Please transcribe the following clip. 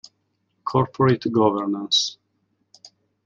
Corporate governance